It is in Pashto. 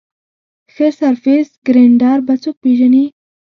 ښه سرفېس ګرېنډر به څوک پېژني ؟